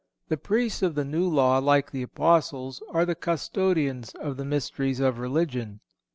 The Priests of the New Law, like the Apostles, are the custodians of the mysteries of religion.